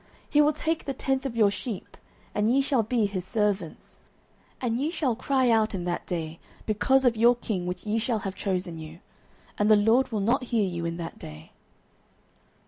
09:008:017 He will take the tenth of your sheep: and ye shall be his servants. 09:008:018 And ye shall cry out in that day because of your king which ye shall have chosen you; and the LORD will not hear you in that day.